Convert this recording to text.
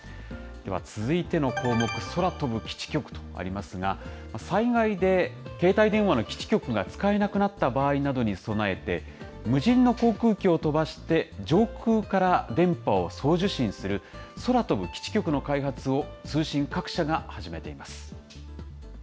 では続いての項目、空飛ぶ基地局とありますが、災害で携帯電話の基地局が使えなくなった場合などに備えて、無人の航空機を飛ばして、上空から電波を送受信する、空飛ぶ基地局の開発を通信各社が始めています。